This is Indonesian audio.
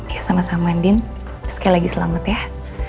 ya sama sama andin sekali lagi selamat ya